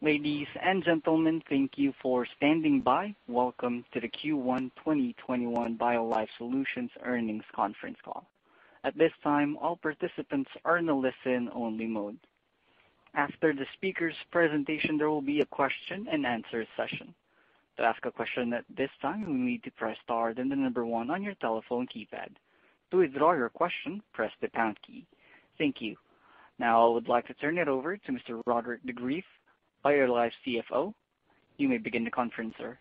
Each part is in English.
Ladies and gentlemen, thank you for standing by. Welcome to the Q1 2021 BioLife Solutions earnings conference call. At this time, all participants are in a listen-only mode. After the speakers' presentation, there will be a question-and-answer session. Now I would like to turn it over to Mr. Roderick de Greef, BioLife's CFO. You may begin the conference, sir.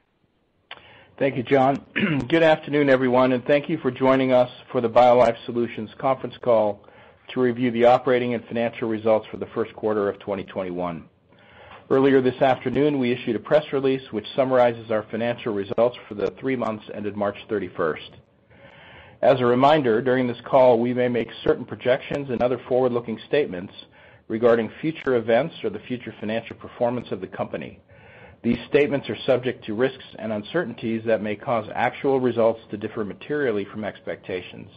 Thank you, John. Good afternoon, everyone, and thank you for joining us for the BioLife Solutions conference call to review the operating and financial results for the first quarter of 2021. Earlier this afternoon, we issued a press release which summarizes our financial results for the three months ended March 31st. As a reminder, during this call, we may make certain projections and other forward-looking statements regarding future events or the future financial performance of the company. These statements are subject to risks and uncertainties that may cause actual results to differ materially from expectations.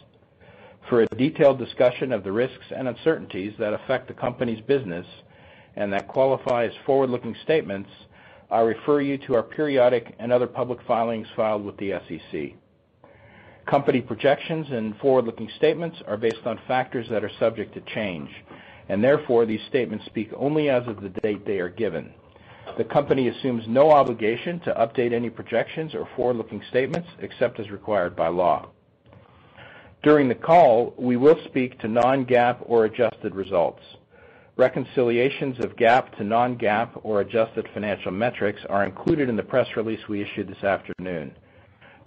For a detailed discussion of the risks and uncertainties that affect the company's business and that qualify as forward-looking statements, I refer you to our periodic and other public filings filed with the SEC. Company projections and forward-looking statements are based on factors that are subject to change. Therefore, these statements speak only as of the date they are given. The company assumes no obligation to update any projections or forward-looking statements except as required by law. During the call, we will speak to non-GAAP or adjusted results. Reconciliations of GAAP to non-GAAP or adjusted financial metrics are included in the press release we issued this afternoon.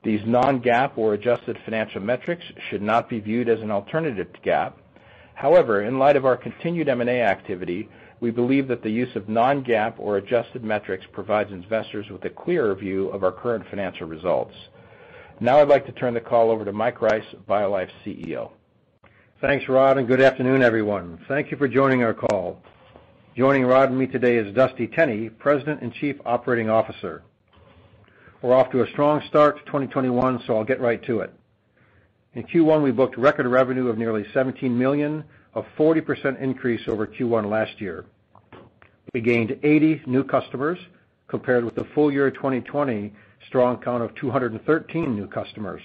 These non-GAAP or adjusted financial metrics should not be viewed as an alternative to GAAP. However, in light of our continued M&A activity, we believe that the use of non-GAAP or adjusted metrics provides investors with a clearer view of our current financial results. Now I'd like to turn the call over to Mike Rice, BioLife's CEO. Thanks, Rod, and good afternoon, everyone. Thank you for joining our call. Joining Rod and me today is Dusty Tenney, President and Chief Operating Officer. We're off to a strong start to 2021, so I'll get right to it. In Q1, we booked record revenue of nearly $17 million, a 40% increase over Q1 last year. We gained 80 new customers compared with the full year 2020 strong count of 213 new customers.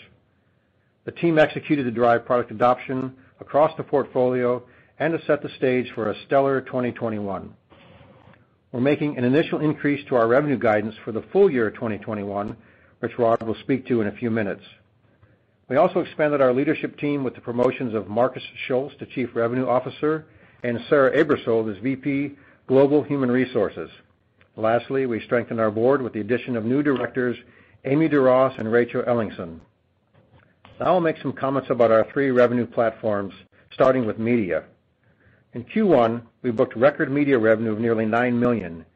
The team executed to drive product adoption across the portfolio and to set the stage for a stellar 2021. We're making an initial increase to our revenue guidance for the full year 2021, which Rod will speak to in a few minutes. We also expanded our leadership team with the promotions of Marcus Schulz to Chief Revenue Officer and Sarah Aebersold as VP Global Human Resources. Lastly, we strengthened our board with the addition of new directors, Amy DuRoss and Rachel Ellingson. Now I'll make some comments about our three revenue platforms, starting with media. In Q1, we booked record media revenue of nearly $9 million,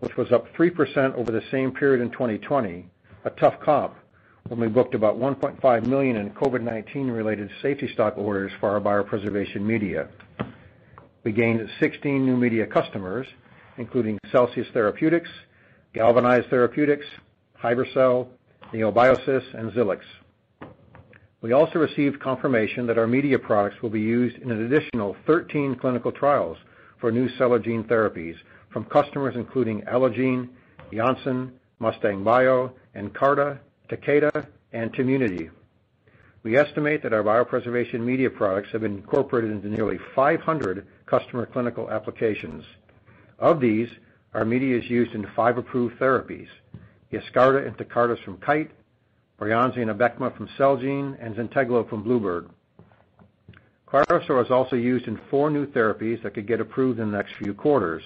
which was up 3% over the same period in 2020, a tough comp when we booked about $1.5 million in COVID-19 related safety stock orders for our biopreservation media. We gained 16 new media customers, including Celsius Therapeutics, Galvanize Therapeutics, HiberCell, NeoBioSys, and Xilis. We also received confirmation that our media products will be used in an additional 13 clinical trials for new cell or gene therapies from customers including Allogene, Janssen, Mustang Bio, Nkarta, Takeda, and [Community]. We estimate that our biopreservation media products have been incorporated into nearly 500 customer clinical applications. Of these, our media is used in five approved therapies: YESCARTA and TECARTUS from Kite, Breyanzi and ABECMA from Celgene, and ZYNTEGLO from Bluebird. CryoStor is also used in four new therapies that could get approved in the next few quarters.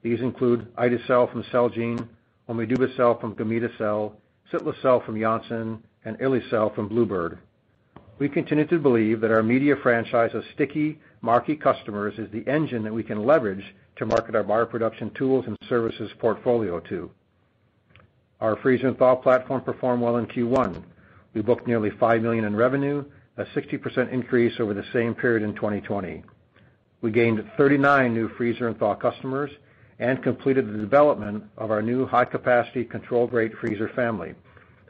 These include ide-cel from Celgene, omidubicel from Gamida Cell, cilta-cel from Janssen, and eli-cel from Bluebird. We continue to believe that our media franchise of sticky marquee customers is the engine that we can leverage to market our bioproduction tools and services portfolio to. Our freezer and thaw platform performed well in Q1. We booked nearly $5 million in revenue, a 60% increase over the same period in 2020. We gained 39 new freezer and thaw customers and completed the development of our new high-capacity controlled rate freezer family,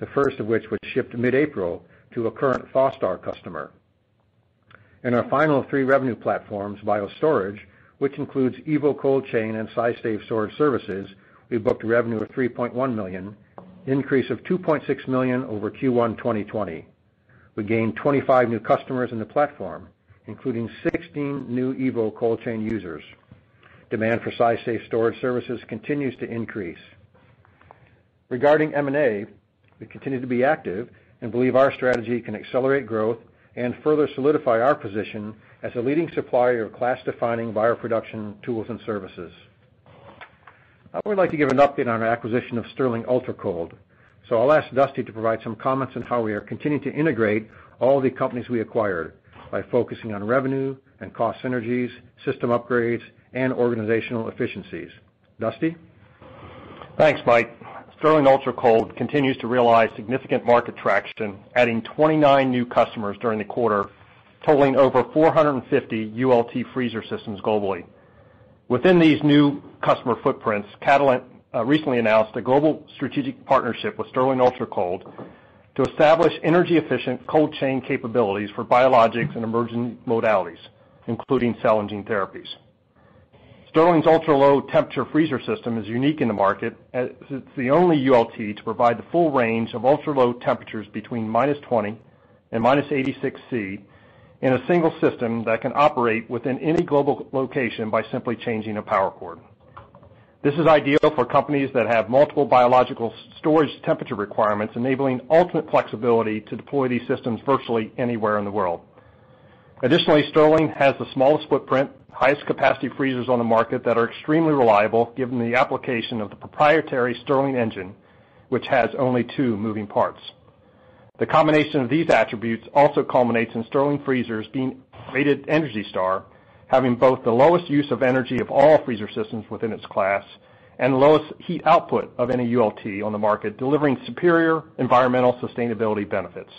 the first of which was shipped mid-April to a current [fostar] customer. In our final three revenue platforms, BioStorage, which includes evo cold chain and SciSafe storage services, we booked revenue of $3.1 million, an increase of $2.6 million over Q1 2020. We gained 25 new customers in the platform, including 16 new evo cold chain users. Demand for SciSafe storage services continues to increase. Regarding M&A, we continue to be active and believe our strategy can accelerate growth and further solidify our position as a leading supplier of class-defining bioproduction tools and services. I would like to give an update on our acquisition of Stirling Ultracold, I'll ask Dusty to provide some comments on how we are continuing to integrate all the companies we acquired by focusing on revenue and cost synergies, system upgrades, and organizational efficiencies. Dusty? Thanks, Mike. Stirling Ultracold continues to realize significant market traction, adding 29 new customers during the quarter, totaling over 450 ULT freezer systems globally. Within these new customer footprints, Catalent recently announced a global strategic partnership with Stirling Ultracold to establish energy-efficient cold chain capabilities for biologics and emerging modalities, including cell and gene therapies. Stirling's ultra-low temperature freezer system is unique in the market as it's the only ULT to provide the full range of ultra-low temperatures between -20 and -86 degrees Celsius in a single system that can operate within any global location by simply changing a power cord. This is ideal for companies that have multiple biological storage temperature requirements, enabling ultimate flexibility to deploy these systems virtually anywhere in the world. Additionally, Stirling has the smallest footprint, highest capacity freezers on the market that are extremely reliable given the application of the proprietary Stirling engine, which has only two moving parts. The combination of these attributes also culminates in Stirling freezers being rated ENERGY STAR, having both the lowest use of energy of all freezer systems within its class, and the lowest heat output of any ULT on the market, delivering superior environmental sustainability benefits.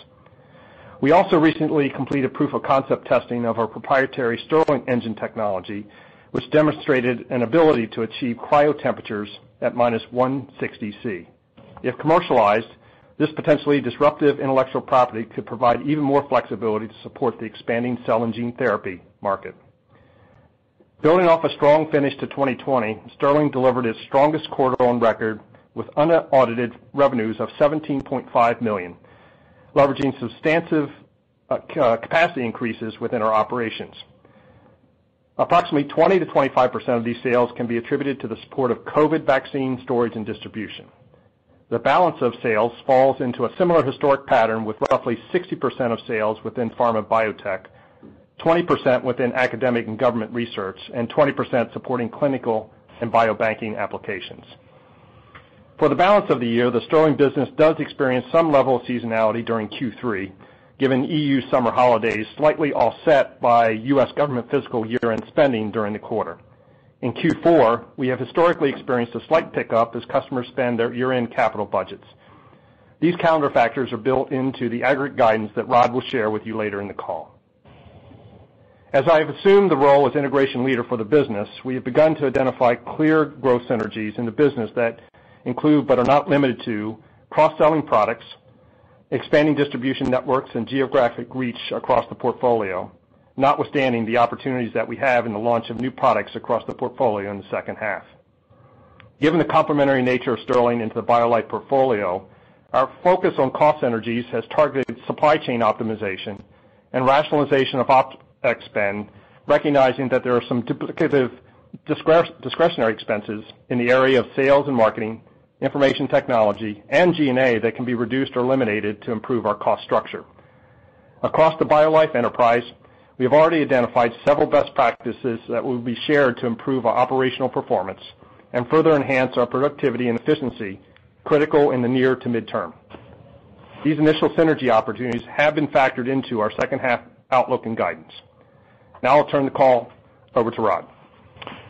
We also recently completed proof of concept testing of our proprietary Stirling engine technology, which demonstrated an ability to achieve cryo temperatures at -160 degrees Celsius. If commercialized, this potentially disruptive intellectual property could provide even more flexibility to support the expanding cell and gene therapy market. Building off a strong finish to 2020, Stirling delivered its strongest quarter on record with unaudited revenues of $17.5 million, leveraging substantive capacity increases within our operations. Approximately 20%-25% of these sales can be attributed to the support of COVID-19 vaccine storage and distribution. The balance of sales falls into a similar historic pattern, with roughly 60% of sales within pharma biotech, 20% within academic and government research, and 20% supporting clinical and biobanking applications. For the balance of the year, the Stirling business does experience some level of seasonality during Q3, given EU summer holidays slightly offset by U.S. government fiscal year-end spending during the quarter. In Q4, we have historically experienced a slight pickup as customers spend their year-end capital budgets. These calendar factors are built into the aggregate guidance that Rod will share with you later in the call. As I have assumed the role as integration leader for the business, we have begun to identify clear growth synergies in the business that include, but are not limited to, cross-selling products, expanding distribution networks, and geographic reach across the portfolio, notwithstanding the opportunities that we have in the launch of new products across the portfolio in the second half. Given the complementary nature of Stirling into the BioLife portfolio, our focus on cost synergies has targeted supply chain optimization and rationalization of OpEx spend, recognizing that there are some duplicative discretionary expenses in the area of sales and marketing, information technology, and G&A that can be reduced or eliminated to improve our cost structure. Across the BioLife enterprise, we have already identified several best practices that will be shared to improve our operational performance and further enhance our productivity and efficiency, critical in the near to midterm. These initial synergy opportunities have been factored into our second half outlook and guidance. Now I'll turn the call over to Rod.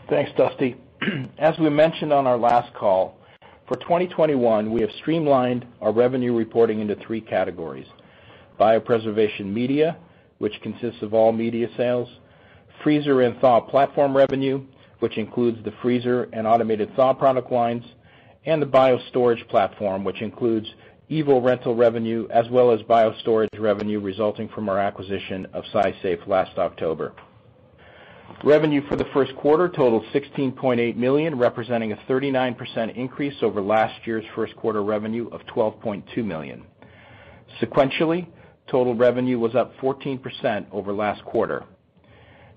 Thanks, Dusty. We mentioned on our last call, for 2021, we have streamlined our revenue reporting into three categories. Biopreservation media, which consists of all media sales. Freezer and thaw platform revenue, which includes the freezer and automated thaw product lines. The BioStorage platform, which includes evo rental revenue, as well as BioStorage revenue resulting from our acquisition of SciSafe last October. Revenue for the first quarter totaled $16.8 million, representing a 39% increase over last year's first quarter revenue of $12.2 million. Sequentially, total revenue was up 14% over last quarter.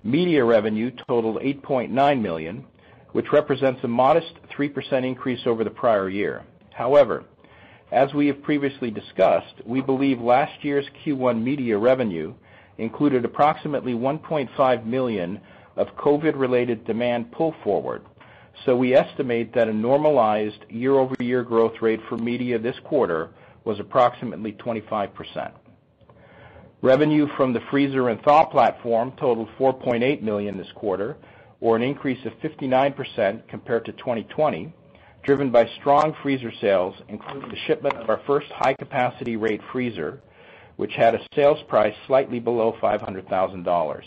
Media revenue totaled $8.9 million, which represents a modest 3% increase over the prior year. However, as we have previously discussed, we believe last year's Q1 media revenue included approximately $1.5 million of COVID-19-related demand pull forward. We estimate that a normalized year-over-year growth rate for media this quarter was approximately 25%. Revenue from the freezer and thaw platform totaled $4.8 million this quarter, or an increase of 59% compared to 2020, driven by strong freezer sales, including the shipment of our first high-capacity rate freezer, which had a sales price slightly below $500,000.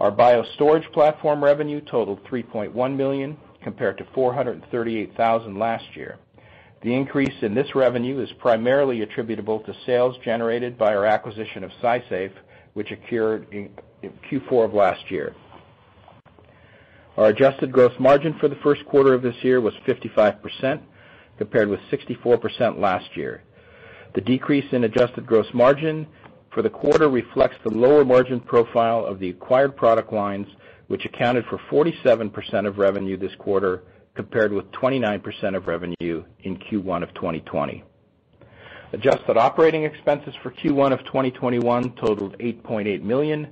Our BioStorage platform revenue totaled $3.1 million, compared to $438,000 last year. The increase in this revenue is primarily attributable to sales generated by our acquisition of SciSafe, which occurred in Q4 of last year. Our adjusted gross margin for the first quarter of this year was 55%, compared with 64% last year. The decrease in adjusted gross margin for the quarter reflects the lower margin profile of the acquired product lines, which accounted for 47% of revenue this quarter, compared with 29% of revenue in Q1 of 2020. Adjusted operating expenses for Q1 of 2021 totaled $8.8 million,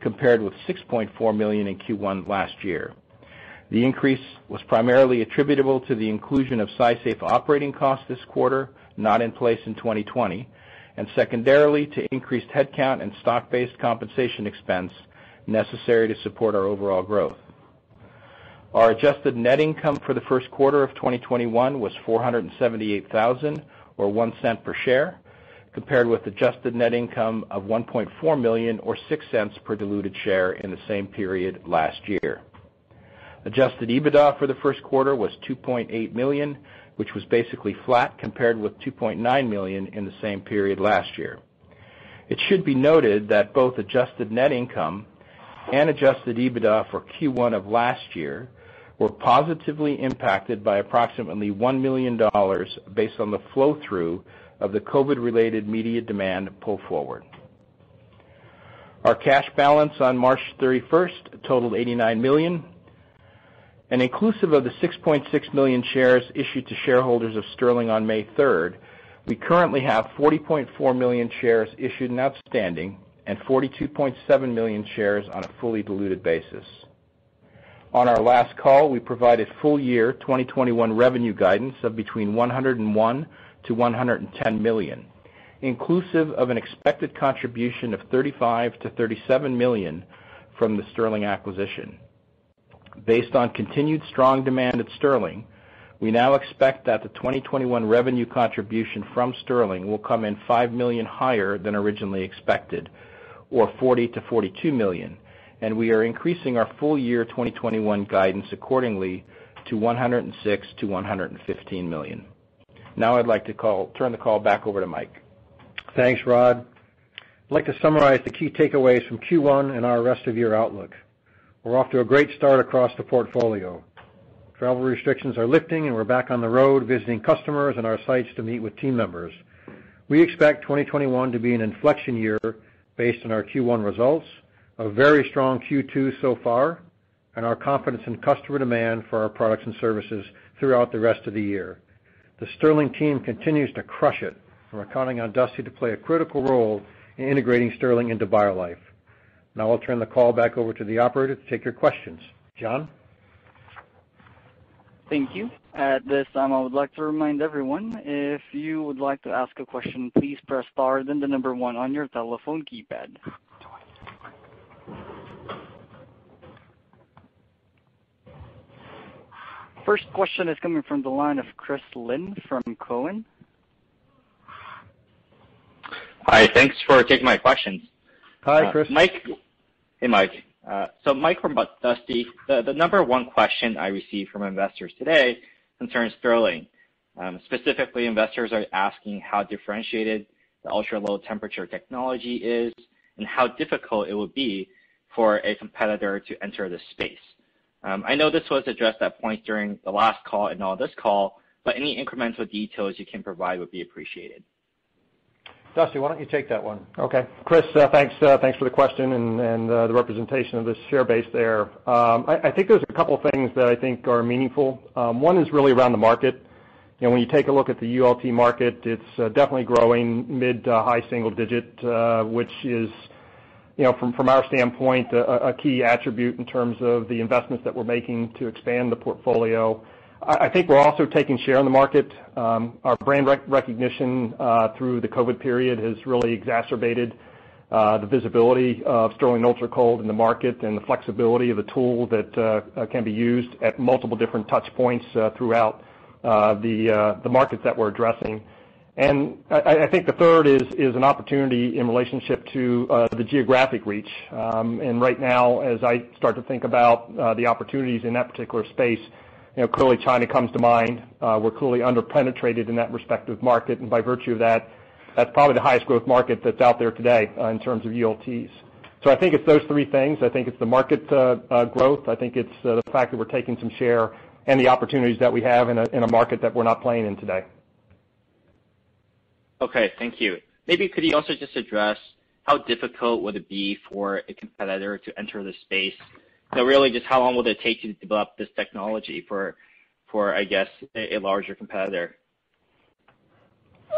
compared with $6.4 million in Q1 last year. The increase was primarily attributable to the inclusion of SciSafe operating costs this quarter, not in place in 2020, and secondarily, to increased headcount and stock-based compensation expense necessary to support our overall growth. Our adjusted net income for the first quarter of 2021 was $478,000, or $0.01 per share, compared with adjusted net income of $1.4 million or $0.06 per diluted share in the same period last year. Adjusted EBITDA for the first quarter was $2.8 million, which was basically flat compared with $2.9 million in the same period last year. It should be noted that both adjusted net income and Adjusted EBITDA for Q1 of last year were positively impacted by approximately $1 million based on the flow-through of the COVID-related media demand pull forward. Our cash balance on March 31st totaled $89 million, inclusive of the 6.6 million shares issued to shareholders of Stirling on May 3rd, we currently have 40.4 million shares issued and outstanding and 42.7 million shares on a fully diluted basis. On our last call, we provided full year 2021 revenue guidance of between $101 million-$110 million, inclusive of an expected contribution of $35 million-$37 million from the Stirling acquisition. Based on continued strong demand at Stirling, we now expect that the 2021 revenue contribution from Stirling will come in $5 million higher than originally expected, or $40 million-$42 million, we are increasing our full year 2021 guidance accordingly to $106 million-$115 million. Now I'd like to turn the call back over to Mike. Thanks, Rod. I'd like to summarize the key takeaways from Q1 and our rest of year outlook. We're off to a great start across the portfolio. Travel restrictions are lifting, we're back on the road visiting customers and our sites to meet with team members. We expect 2021 to be an inflection year based on our Q1 results, a very strong Q2 so far, our confidence in customer demand for our products and services throughout the rest of the year. The Stirling team continues to crush it. We're counting on Dusty to play a critical role in integrating Stirling into BioLife. I'll turn the call back over to the operator to take your questions. John? Thank you. At this time, I would like to remind everyone, if you would like to ask a question, please press star, then the number one on your telephone keypad. First question is coming from the line of Chris Lin from Cowen. Hi. Thanks for taking my questions. Hi, Chris. Hey, Mike. Mike and Dusty, the number one question I receive from investors today concerns Stirling. Specifically, investors are asking how differentiated the ultra-low temperature technology is and how difficult it would be for a competitor to enter the space. I know this was addressed at a point during the last call and on this call, any incremental details you can provide would be appreciated. Dusty, why don't you take that one? Okay. Chris, thanks for the question and the representation of the share base there. I think there's a couple things that I think are meaningful. One is really around the market. When you take a look at the ULT market, it's definitely growing mid to high single-digit, which is, from our standpoint, a key attribute in terms of the investments that we're making to expand the portfolio. I think we're also taking share in the market. Our brand recognition, through the COVID period, has really exacerbated the visibility of Stirling Ultracold in the market and the flexibility of a tool that can be used at multiple different touchpoints throughout the markets that we're addressing. I think the third is an opportunity in relationship to the geographic reach. Right now, as I start to think about the opportunities in that particular space, clearly China comes to mind. We're clearly under-penetrated in that respective market, by virtue of that's probably the highest growth market that's out there today in terms of ULTs. I think it's those three things. I think it's the market growth, I think it's the fact that we're taking some share, the opportunities that we have in a market that we're not playing in today. Okay, thank you. Maybe could you also just address how difficult would it be for a competitor to enter the space? Really, just how long will it take to develop this technology for, I guess, a larger competitor?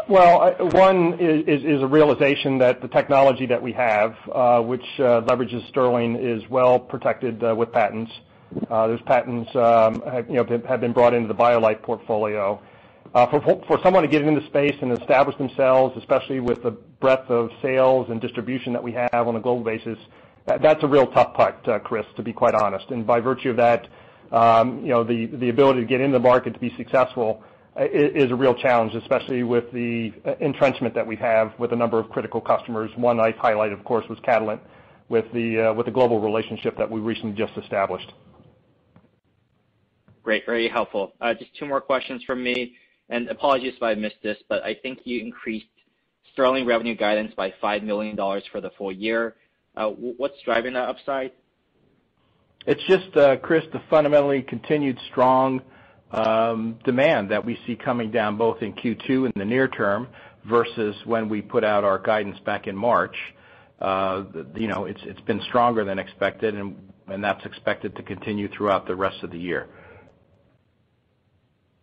Well, one is a realization that the technology that we have, which leverages Stirling, is well protected with patents. Those patents have been brought into the BioLife portfolio. For someone to get into the space and establish themselves, especially with the breadth of sales and distribution that we have on a global basis, that's a real tough putt, Chris, to be quite honest. By virtue of that, the ability to get in the market to be successful is a real challenge, especially with the entrenchment that we have with a number of critical customers. One I'd highlight, of course, was Catalent with the global relationship that we recently just established. Great. Very helpful. Just two more questions from me, and apologies if I missed this, I think you increased Stirling revenue guidance by $5 million for the full year. What's driving that upside? It's just, Chris, the fundamentally continued strong demand that we see coming down, both in Q2 in the near term versus when we put out our guidance back in March. It's been stronger than expected, and that's expected to continue throughout the rest of the year.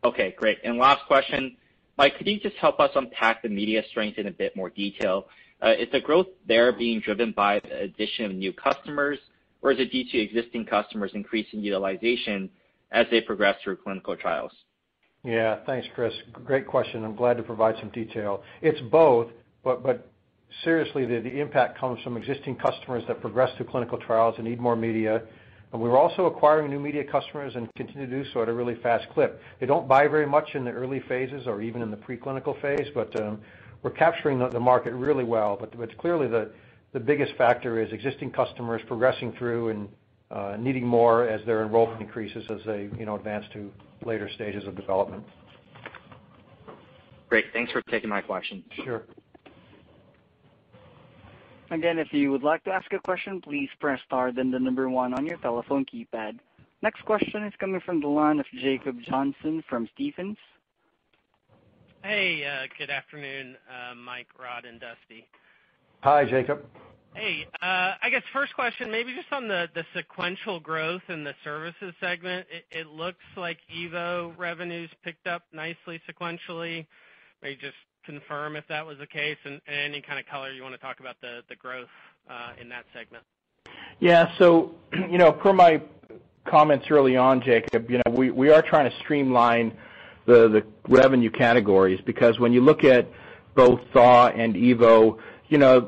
Okay, great. Last question. Mike, could you just help us unpack the media strength in a bit more detail? Is the growth there being driven by the addition of new customers, or is it due to existing customers increasing utilization as they progress through clinical trials? Yeah. Thanks, Chris. Great question. I'm glad to provide some detail. It's both. Seriously, the impact comes from existing customers that progress through clinical trials and need more media. We're also acquiring new media customers and continue to do so at a really fast clip. They don't buy very much in the early phases or even in the pre-clinical phase. We're capturing the market really well. What's clearly the biggest factor is existing customers progressing through and needing more as their enrollment increases, as they advance to later stages of development. Great. Thanks for taking my question. Sure. Again, if you would like to ask a question, please press star, then the number one on your telephone keypad. Next question is coming from the line of Jacob Johnson from Stephens. Hey, good afternoon, Mike, Rod, and Dusty. Hi, Jacob. Hey. I guess first question, maybe just on the sequential growth in the services segment. It looks like evo revenues picked up nicely sequentially. May you just confirm if that was the case, and any kind of color you want to talk about the growth in that segment? Yeah. Per my comments early on, Jacob, we are trying to streamline the revenue categories, because when you look at both thaw and evo,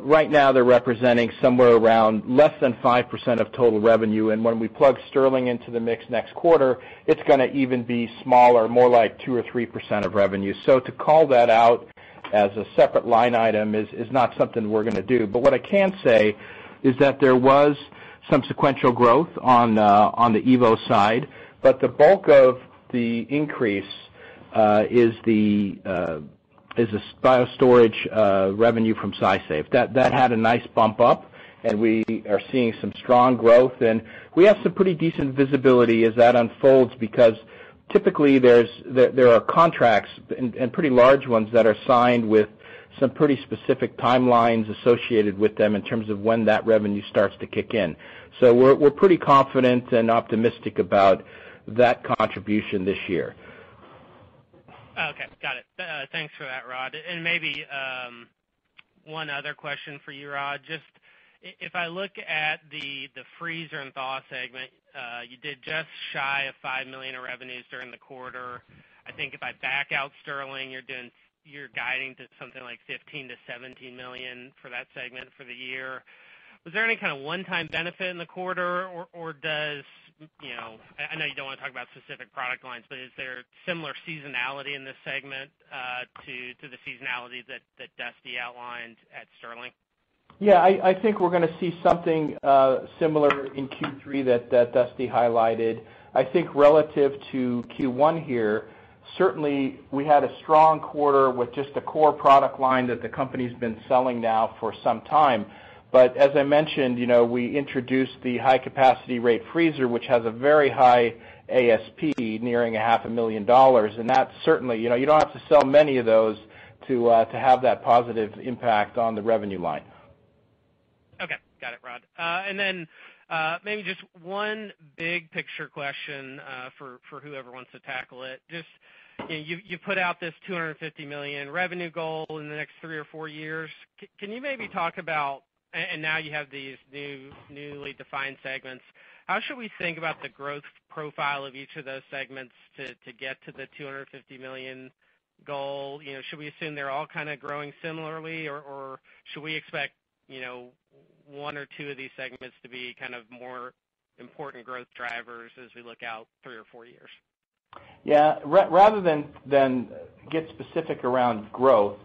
right now they're representing somewhere around less than 5% of total revenue. When we plug Stirling into the mix next quarter, it's going to even be smaller, more like 2% or 3% of revenue. To call that out as a separate line item is not something we're going to do. What I can say is that there was some sequential growth on the evo side, but the bulk of the increase is the bio storage revenue from SciSafe. That had a nice bump up, we are seeing some strong growth. We have some pretty decent visibility as that unfolds because typically there are contracts, and pretty large ones, that are signed with some pretty specific timelines associated with them in terms of when that revenue starts to kick in. We're pretty confident and optimistic about that contribution this year. Okay, got it. Thanks for that, Rod. Maybe one other question for you, Rod. Just if I look at the freezer and thaw segment, you did just shy of $5 million of revenues during the quarter. I think if I back out Stirling, you're guiding to something like $15 million-$17 million for that segment for the year. Was there any kind of one-time benefit in the quarter? I know you don't want to talk about specific product lines, but is there similar seasonality in this segment to the seasonality that Dusty outlined at Stirling? Yeah, I think we're going to see something similar in Q3 that Dusty highlighted. I think relative to Q1 here, certainly we had a strong quarter with just a core product line that the company's been selling now for some time. As I mentioned, we introduced the high-capacity rate freezer, which has a very high ASP nearing a half a million dollars, and you don't have to sell many of those to have that positive impact on the revenue line. Okay, got it, Rod. Maybe just one big picture question for whoever wants to tackle it. You put out this $250 million revenue goal in the next three or four years. Can you maybe talk about, and now you have these newly defined segments, how should we think about the growth profile of each of those segments to get to the $250 million goal? Should we assume they're all kind of growing similarly, or should we expect one or two of these segments to be more important growth drivers as we look out three or four years? Yeah. Rather than get specific around growth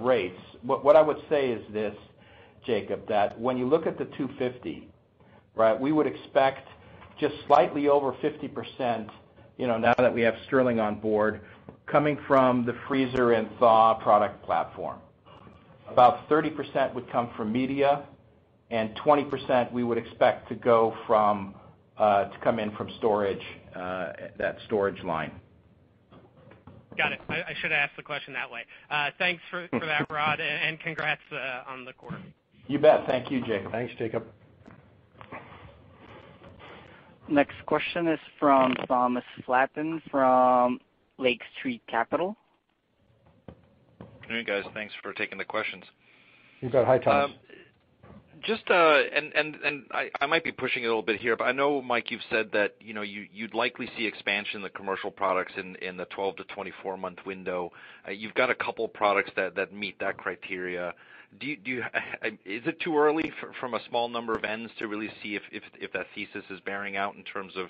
rates, what I would say is this, Jacob: that when you look at the 250, we would expect just slightly over 50%, now that we have Stirling on board, coming from the freezer and thaw product platform. About 30% would come from media, and 20% we would expect to come in from that storage line. Got it. I should have asked the question that way. Thanks for that, Rod, and congrats on the quarter. You bet. Thank you, Jacob. Thanks, Jacob. Next question is from Thomas Flaten from Lake Street Capital. Good evening, guys. Thanks for taking the questions. You bet. Hi, Thomas. I might be pushing it a little bit here, but I know, Mike, you've said that you'd likely see expansion in the commercial products in the 12 to 24 month window. You've got a couple products that meet that criteria. Is it too early from a small number of ends to really see if that thesis is bearing out in terms of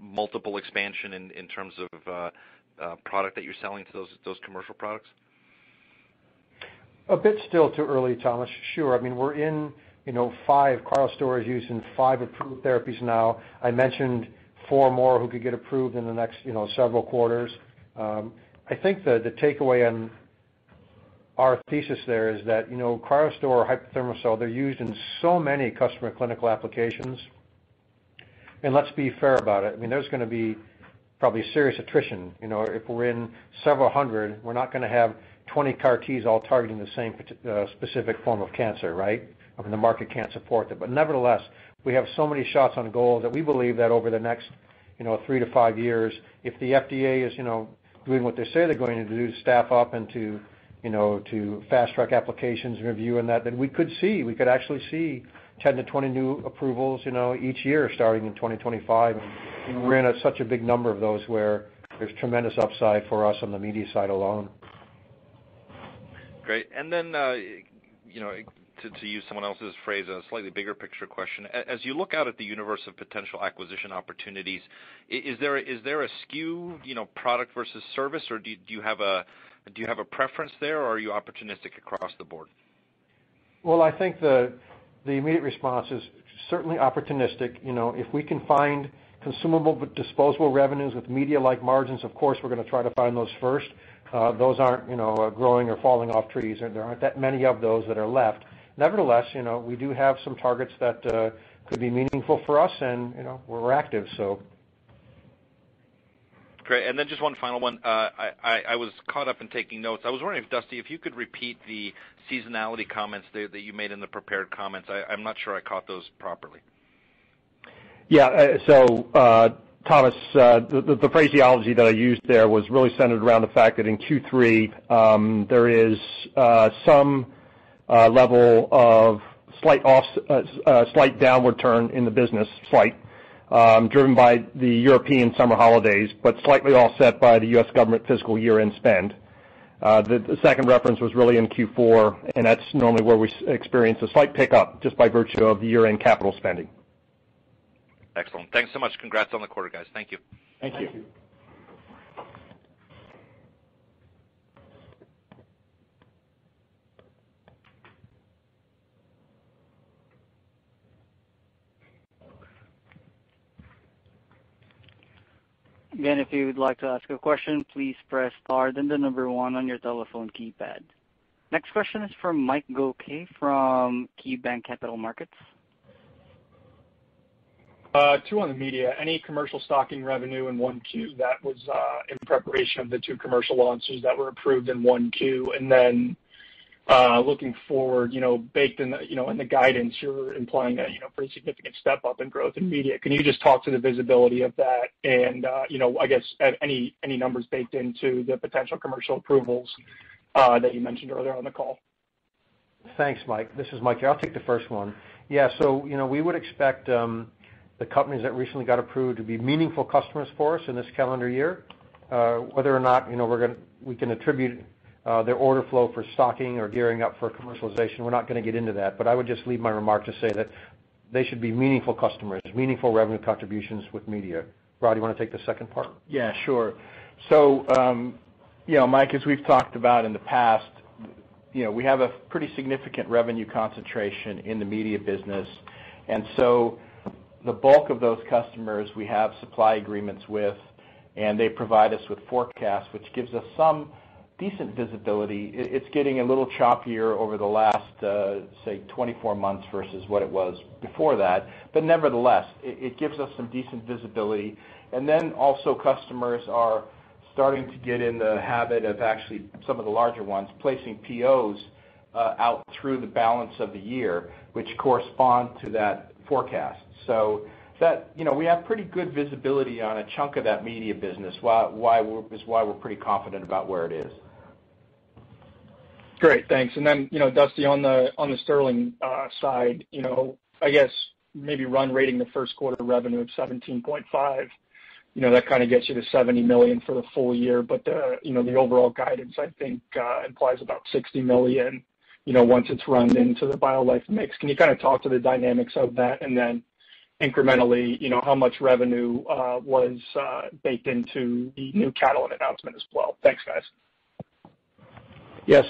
multiple expansion in terms of product that you're selling to those commercial products? A bit still too early, Thomas. Sure. CryoStor is used in five approved therapies now. I mentioned four more who could get approved in the next several quarters. I think the takeaway in our thesis there is that CryoStor or HypoThermosol, they're used in so many customer clinical applications. Let's be fair about it, there's going to be probably serious attrition. If we're in several hundred, we're not going to have 20 CAR-T all targeting the same specific form of cancer, right? I mean, the market can't support that. Nevertheless, we have so many shots on goal that we believe that over the next three to five years, if the FDA is doing what they say they're going to do to staff up and to fast-track applications review and that, then we could actually see 10 to 20 new approvals each year starting in 2025. We're in such a big number of those where there's tremendous upside for us on the media side alone. Great. Then, to use someone else's phrase in a slightly bigger picture question, as you look out at the universe of potential acquisition opportunities, is there a skew, product versus service, or do you have a preference there, or are you opportunistic across the board? Well, I think the immediate response is certainly opportunistic. If we can find consumable but disposable revenues with media-like margins, of course, we're going to try to find those first. Those aren't growing or falling off trees, and there aren't that many of those that are left. Nevertheless, we do have some targets that could be meaningful for us, and we're active. Great. Just one final one. I was caught up in taking notes. I was wondering if, Dusty, you could repeat the seasonality comments that you made in the prepared comments. I'm not sure I caught those properly. Yeah. Thomas, the phraseology that I used there was really centered around the fact that in Q3, there is some level of slight downward turn in the business, slight, driven by the European summer holidays, but slightly offset by the U.S. government fiscal year-end spend. The second reference was really in Q4, and that's normally where we experience a slight pickup just by virtue of the year-end capital spending. Excellent. Thanks so much. Congrats on the quarter, guys. Thank you. Thank you. Again, if you would like to ask a question, please press star, then the number one on your telephone keypad. Next question is from Paul Knight from KeyBanc Capital Markets. Two on the media. Any commercial stocking revenue in 1Q that was in preparation of the two commercial launches that were approved in 1Q? Looking forward, baked in the guidance, you're implying a pretty significant step-up in growth in media. Can you just talk to the visibility of that and, I guess, any numbers baked into the potential commercial approvals that you mentioned earlier on the call? Thanks, Mike. This is Mike here. I'll take the first one. We would expect the companies that recently got approved to be meaningful customers for us in this calendar year. Whether or not we can attribute their order flow for stocking or gearing up for commercialization, we're not going to get into that. I would just leave my remark to say that they should be meaningful customers, meaningful revenue contributions with media. Rod, you want to take the second part? Yeah, sure. Mike, as we've talked about in the past, we have a pretty significant revenue concentration in the media business. The bulk of those customers we have supply agreements with, and they provide us with forecasts, which gives us some decent visibility. It's getting a little choppier over the last, say, 24 months versus what it was before that. Nevertheless, it gives us some decent visibility. Also customers are starting to get in the habit of actually, some of the larger ones, placing POs out through the balance of the year, which correspond to that forecast. We have pretty good visibility on a chunk of that media business, is why we're pretty confident about where it is. Great, thanks. Dusty, on the Stirling side, I guess maybe run rating the first quarter revenue of $17.5, that kind of gets you to $70 million for the full year. The overall guidance, I think, implies about $60 million, once it's run into the BioLife mix. Can you kind of talk to the dynamics of that, incrementally, how much revenue was baked into the new Catalent announcement as well? Thanks, guys. Yeah.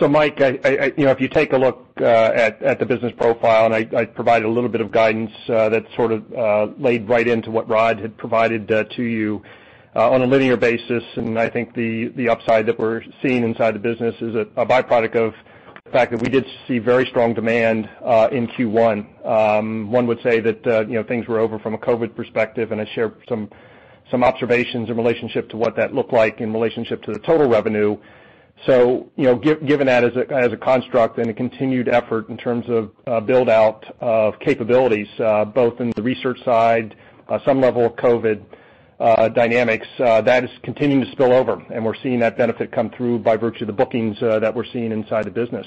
Mike, if you take a look at the business profile, and I provided a little bit of guidance that sort of laid right into what Rod had provided to you on a linear basis, and I think the upside that we're seeing inside the business is a byproduct of the fact that we did see very strong demand in Q1. One would say that things were over from a COVID perspective, and I shared some observations in relationship to what that looked like in relationship to the total revenue. Given that as a construct and a continued effort in terms of build-out of capabilities, both in the research side, some level of COVID dynamics, that is continuing to spill over, and we're seeing that benefit come through by virtue of the bookings that we're seeing inside the business.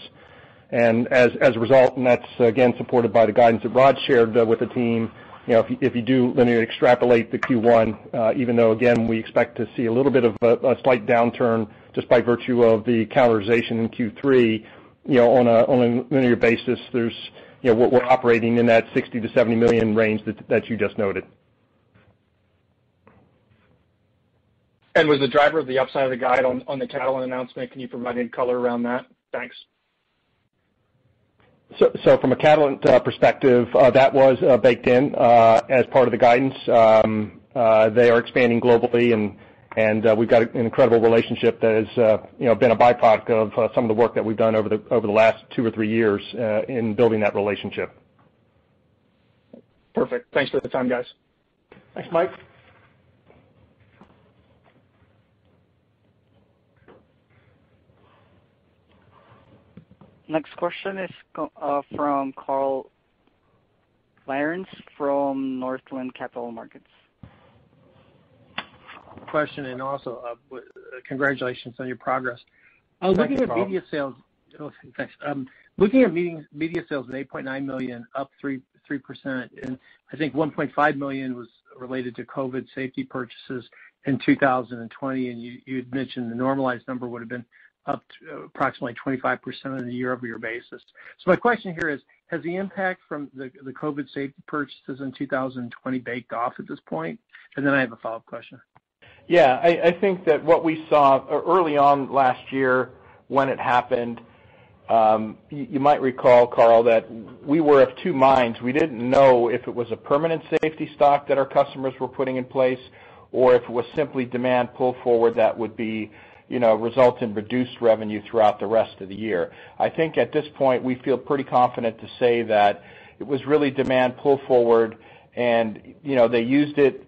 As a result, and that's again supported by the guidance that Rod shared with the team, if you do linear extrapolate the Q1, even though, again, we expect to see a little bit of a slight downturn just by virtue of the calendarization in Q3, on a linear basis, we're operating in that $60 million-$70 million range that you just noted. Was the driver of the upside of the guide on the Catalent announcement, can you provide any color around that? Thanks. From a Catalent perspective, that was baked in as part of the guidance. They are expanding globally, and we've got an incredible relationship that has been a byproduct of some of the work that we've done over the last two or three years in building that relationship. Perfect. Thanks for the time, guys. Thanks, Mike. Next question is from Carl Byrnes from Northland Capital Markets. Question, also, congratulations on your progress. Thanks, Carl. I was looking at media sales. Oh, thanks. Looking at media sales of $8.9 million, up 3%, and I think $1.5 million was related to COVID safety purchases in 2020, and you had mentioned the normalized number would've been up approximately 25% on a year-over-year basis. My question here is, has the impact from the COVID safety purchases in 2020 baked off at this point? I have a follow-up question. Yeah, I think that what we saw early on last year when it happened, you might recall, Carl, that we were of two minds. We didn't know if it was a permanent safety stock that our customers were putting in place, or if it was simply demand pull forward that would result in reduced revenue throughout the rest of the year. I think at this point, we feel pretty confident to say that it was really demand pull forward and they used it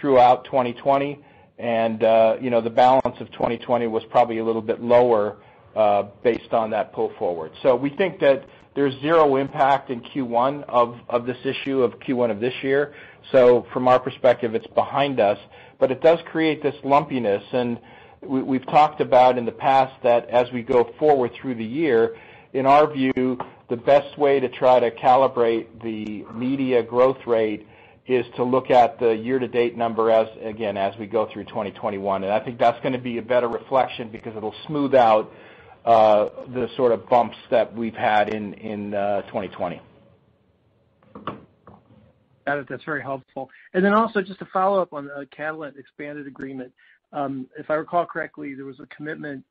throughout 2020 and the balance of 2020 was probably a little bit lower, based on that pull forward. We think that there's zero impact in Q1 of this issue of Q1 of this year. From our perspective, it's behind us, but it does create this lumpiness, and we've talked about in the past that as we go forward through the year, in our view, the best way to try to calibrate the media growth rate is to look at the year-to-date number again, as we go through 2021. I think that's going to be a better reflection because it'll smooth out the sort of bumps that we've had in 2020. Got it. That's very helpful. Also just to follow up on the Catalent expanded agreement. If I recall correctly, there was a commitment,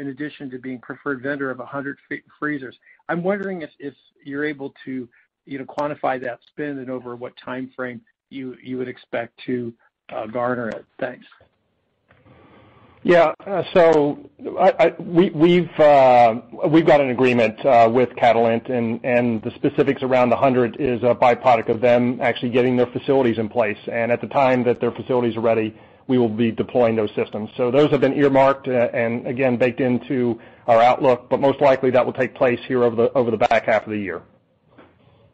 in addition to being preferred vendor of [100ft freezers]. I'm wondering if you're able to quantify that spend and over what timeframe you would expect to garner it. Thanks. We've got an agreement with Catalent and the specifics around 100 is a byproduct of them actually getting their facilities in place. At the time that their facilities are ready, we will be deploying those systems. Those have been earmarked and again, baked into our outlook, but most likely that will take place here over the back half of the year.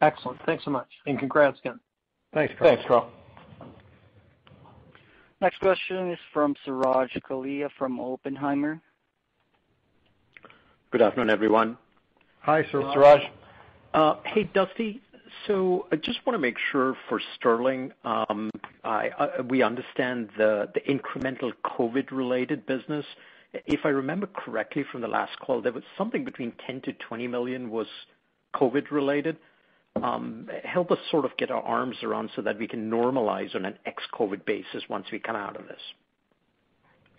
Excellent. Thanks so much. Congrats again. Thanks, Carl. Thanks, Carl. Next question is from Suraj Kalia from Oppenheimer. Good afternoon, everyone. Hi, Suraj. Hey, Dusty. I just want to make sure for Stirling, we understand the incremental COVID related business. If I remember correctly from the last call, there was something between $10 million-$20 million was COVID related. Help us sort of get our arms around so that we can normalize on an ex-COVID basis once we come out of this.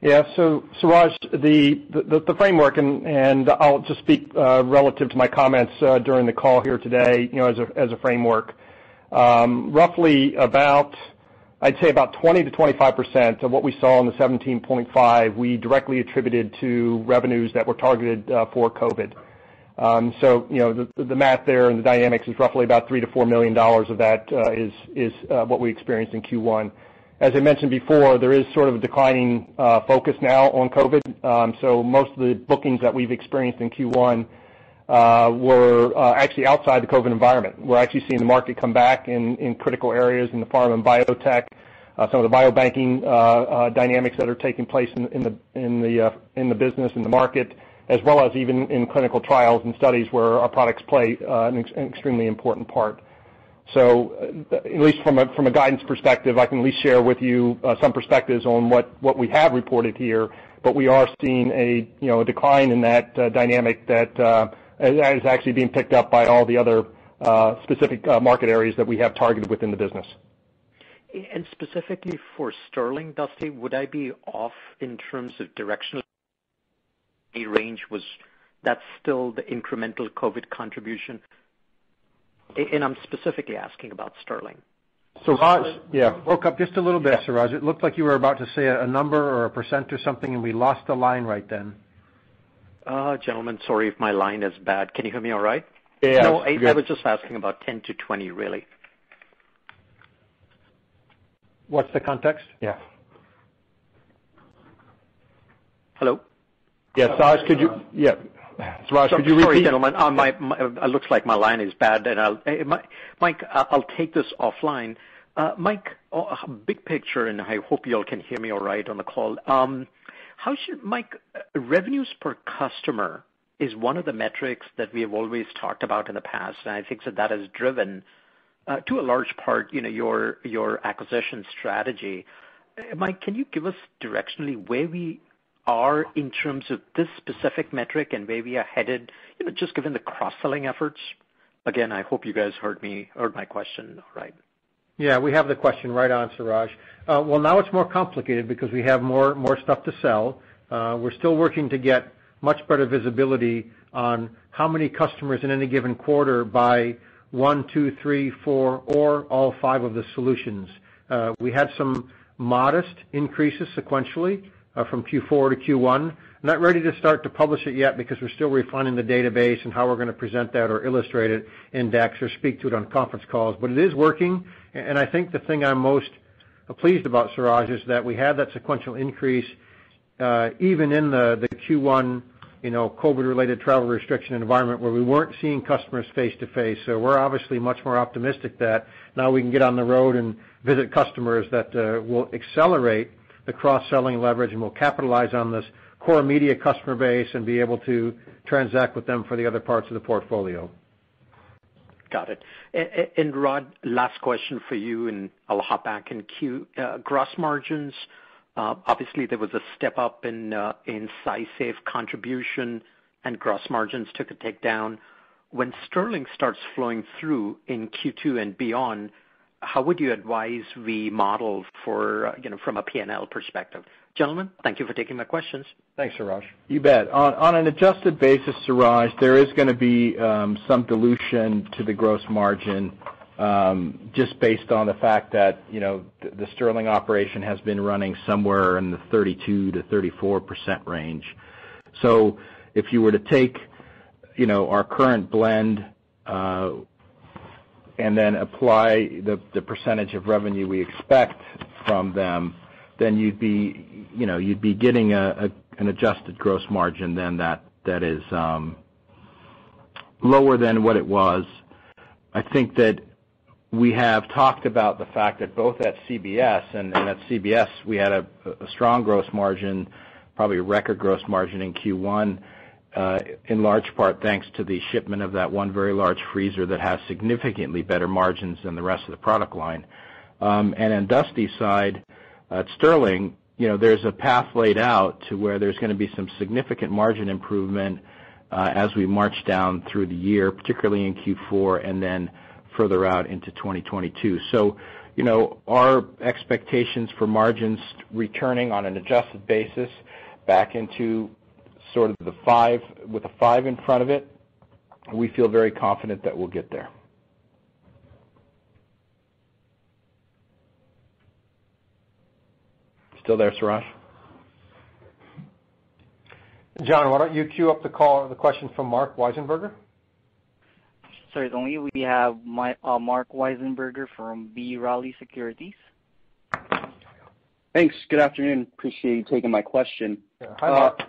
Yeah. Suraj, the framework, and I'll just speak relative to my comments during the call here today as a framework. Roughly 20%-25% of what we saw on the $17.5, we directly attributed to revenues that were targeted for COVID. The math there and the dynamics is roughly $3 million-$4 million of that is what we experienced in Q1. As I mentioned before, there is sort of a declining focus now on COVID. Most of the bookings that we've experienced in Q1 were actually outside the COVID environment. We're actually seeing the market come back in critical areas in the pharma and biotech. Some of the biobanking dynamics that are taking place in the business, in the market, as well as even in clinical trials and studies where our products play an extremely important part. At least from a guidance perspective, I can at least share with you some perspectives on what we have reported here. We are seeing a decline in that dynamic that is actually being picked up by all the other specific market areas that we have targeted within the business. Specifically for Stirling, Dusty, would I be off in terms of directionally range was that's still the incremental COVID contribution? I'm specifically asking about Stirling. Suraj, yeah, broke up just a little bit, Suraj. It looked like you were about to say a number or a percent or something, and we lost the line right then. Oh, gentlemen, sorry if my line is bad. Can you hear me all right? Yeah. I was just asking about 10-20, really. What's the context? Yeah. Hello? Yeah, Suraj, could you repeat? Sorry, gentlemen. It looks like my line is bad. Mike, I'll take this offline. Mike, big picture, and I hope you all can hear me all right on the call. Mike, revenues per customer is one of the metrics that we have always talked about in the past, and I think that that has driven, to a large part, your acquisition strategy. Mike, can you give us directionally where we are in terms of this specific metric and where we are headed, just given the cross-selling efforts? Again, I hope you guys heard my question all right. Yeah, we have the question. Right on, Suraj. Now it's more complicated because we have more stuff to sell. We're still working to get much better visibility on how many customers in any given quarter buy one, two, three, four, or all five of the solutions. We had some modest increases sequentially from Q4 to Q1. Not ready to start to publish it yet because we're still refining the database and how we're going to present that or illustrate it in decks or speak to it on conference calls. It is working, and I think the thing I'm most pleased about, Suraj, is that we have that sequential increase, even in the Q1 COVID-related travel restriction environment where we weren't seeing customers face to face. We're obviously much more optimistic that now we can get on the road and visit customers that will accelerate the cross-selling leverage, and we'll capitalize on this core immediate customer base and be able to transact with them for the other parts of the portfolio. Got it. Rod, last question for you, and I'll hop back in queue. Gross margins, obviously there was a step up in SciSafe contribution and gross margins took a take down. When Stirling starts flowing through in Q2 and beyond, how would you advise we model from a P&L perspective? Gentlemen, thank you for taking my questions. Thanks, Suraj. You bet. On an adjusted basis, Suraj, there is going to be some dilution to the gross margin, just based on the fact that the Stirling Ultracold operation has been running somewhere in the 32%-34% range. If you were to take our current blend and then apply the percentage of revenue we expect from them, then you'd be getting an adjusted gross margin then that is lower than what it was. I think that we have talked about the fact that both at CBS, and at CBS we had a strong gross margin, probably a record gross margin in Q1, in large part thanks to the shipment of that one very large freezer that has significantly better margins than the rest of the product line. On Dusty's side, at Stirling, there's a path laid out to where there's going to be some significant margin improvement as we march down through the year, particularly in Q4, then further out into 2022. Our expectations for margins returning on an adjusted basis back with a five in front of it, we feel very confident that we'll get there. Still there, Suraj? John, why don't you queue up the call, the question from Marc Wiesenberger? Certainly. We have Marc Wiesenberger from B. Riley Securities. Thanks. Good afternoon. Appreciate you taking my question. Yeah. Hi, Marc.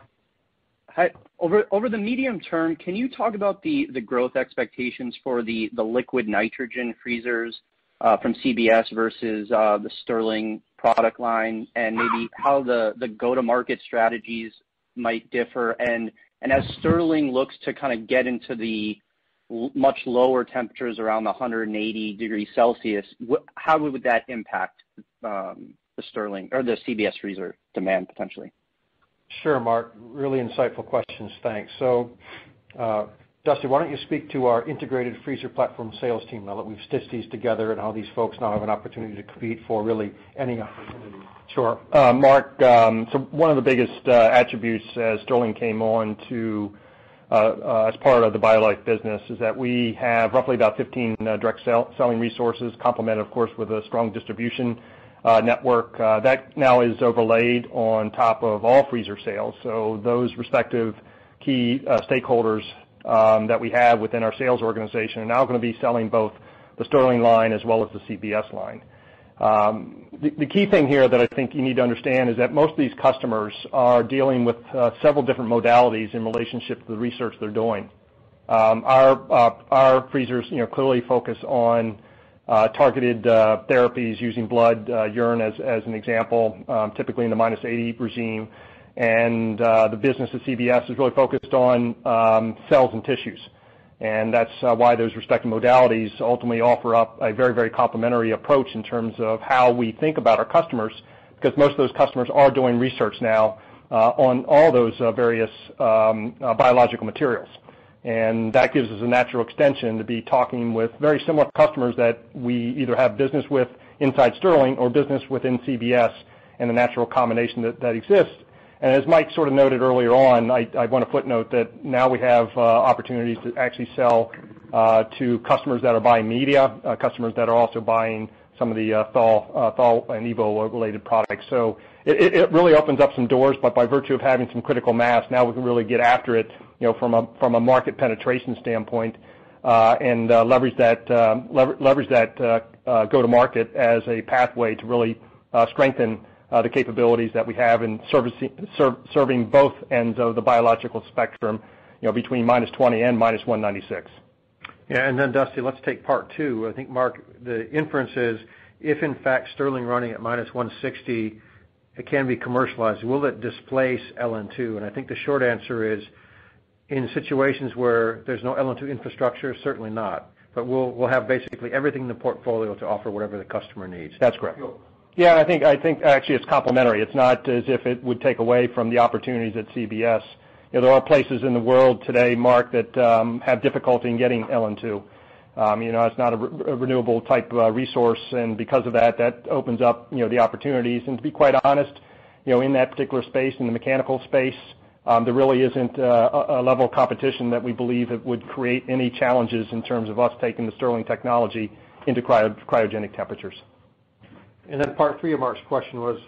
Over the medium term, can you talk about the growth expectations for the liquid nitrogen freezers from CBS versus the Stirling product line, and maybe how the go-to-market strategies might differ? As Stirling looks to kind of get into the much lower temperatures around 180 degrees Celsius, how would that impact the CBS freezer demand, potentially? Sure, Marc. Really insightful questions. Thanks. Dusty, why don't you speak to our integrated freezer platform sales team now that we've stitched these together and how these folks now have an opportunity to compete for really any opportunity? Sure. Marc, one of the biggest attributes as Stirling came on as part of the BioLife Solutions business is that we have roughly about 15 direct selling resources, complemented of course, with a strong distribution network. That now is overlaid on top of all freezer sales. Those respective key stakeholders that we have within our sales organization are now going to be selling both the Stirling line as well as the Custom Biogenic Systems line. The key thing here that I think you need to understand is that most of these customers are dealing with several different modalities in relationship to the research they're doing. Our freezers clearly focus on targeted therapies using blood, urine as an example, typically in the -80 regime, and the business of Custom Biogenic Systems is really focused on cells and tissues. That's why those respective modalities ultimately offer up a very complimentary approach in terms of how we think about our customers, because most of those customers are doing research now on all those various biological materials. That gives us a natural extension to be talking with very similar customers that we either have business with inside Stirling or business within CBS, and the natural combination that exists. As Mike sort of noted earlier on, I want to footnote that now we have opportunities to actually sell to customers that are buying media, customers that are also buying some of the thaw and evo related products. It really opens up some doors, but by virtue of having some critical mass, now we can really get after it from a market penetration standpoint, and leverage that go-to-market as a pathway to really strengthen the capabilities that we have in serving both ends of the biological spectrum between -20 and -196. Yeah, then Dusty, let's take part two. I think Marc, the inference is, if in fact Stirling running at -160, it can be commercialized, will it displace LN2? I think the short answer is, in situations where there's no LN2 infrastructure, certainly not. We'll have basically everything in the portfolio to offer whatever the customer needs. That's correct. I think actually it's complementary. It's not as if it would take away from the opportunities at CBS. There are places in the world today, Marc, that have difficulty in getting LN2. It's not a renewable type resource, and because of that opens up the opportunities. To be quite honest, in that particular space, in the mechanical space, there really isn't a level of competition that we believe it would create any challenges in terms of us taking the Stirling technology into cryogenic temperatures. Part three of Marc's question was,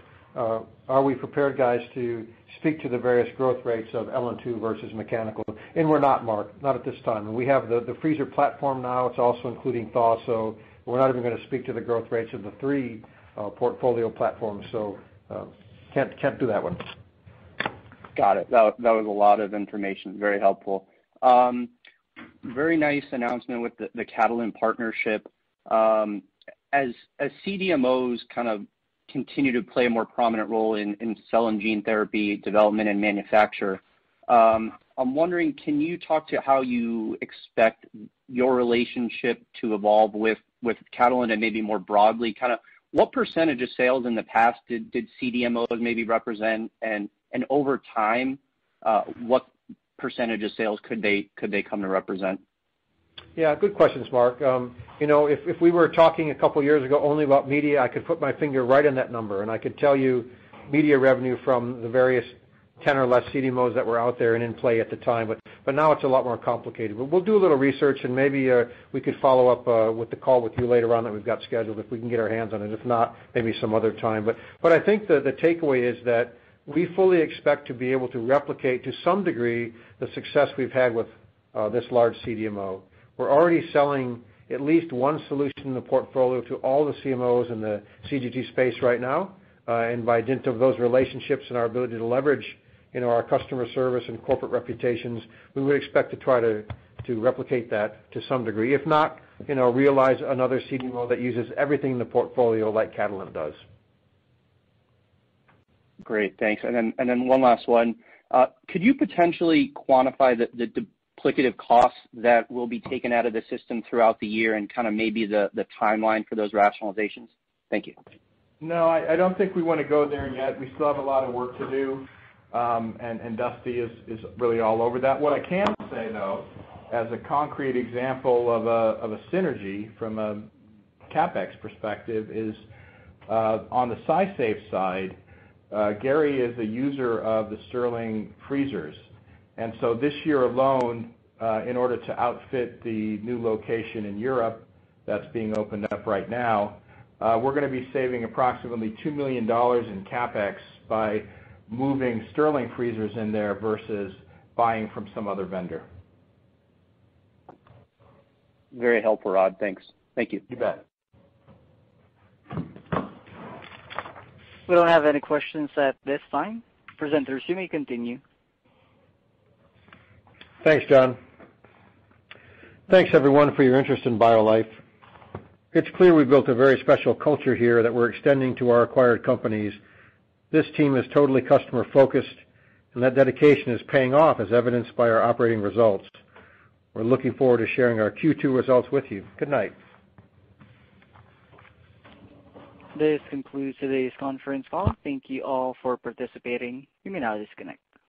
are we prepared, guys, to speak to the various growth rates of LN2 versus mechanical? We're not, Marc, not at this time. We have the freezer platform now. It's also including thaw, so we're not even going to speak to the growth rates of the three portfolio platforms. Can't do that one. Got it. That was a lot of information. Very helpful. Very nice announcement with the Catalent partnership. As CDMOs kind of continue to play a more prominent role in cell and gene therapy development and manufacture, I'm wondering, can you talk to how you expect your relationship to evolve with Catalent and maybe more broadly, what percentage of sales in the past did CDMOs maybe represent, and over time, what percentage of sales could they come to represent? Yeah, good question, Marc. If we were talking a couple of years ago only about media, I could put my finger right on that number, and I could tell you media revenue from the various 10 or less CDMOs that were out there and in play at the time. Now it's a lot more complicated. We'll do a little research and maybe we could follow up with a call with you later on that we've got scheduled, if we can get our hands on it. If not, maybe some other time. I think the takeaway is that we fully expect to be able to replicate to some degree the success we've had with this large CDMO. We're already selling at least one solution in the portfolio to all the CMOs in the CGT space right now. By dint of those relationships and our ability to leverage our customer service and corporate reputations, we would expect to try to replicate that to some degree. If not, realize another CDMO that uses everything in the portfolio like Catalent does. Great. Thanks. Then one last one. Could you potentially quantify the duplicative cost that will be taken out of the system throughout the year and maybe the timeline for those rationalizations? Thank you. No, I don't think we want to go there yet. We still have a lot of work to do, and Dusty is really all over that. What I can say, though, as a concrete example of a synergy from a CapEx perspective is, on the SciSafe side, Gary is a user of the Stirling freezers. This year alone, in order to outfit the new location in Europe that's being opened up right now, we're going to be saving approximately $2 million in CapEx by moving Stirling freezers in there versus buying from some other vendor. Very helpful, Rod. Thanks. Thank you. We don't have any questions at this time. Presenters, you may continue. Thanks, John. Thanks, everyone, for your interest in BioLife. It is clear we have built a very special culture here that we are extending to our acquired companies. This team is totally customer-focused, and that dedication is paying off as evidenced by our operating results. We are looking forward to sharing our Q2 results with you. Good night. This concludes today's conference call. Thank you all for participating. You may now disconnect.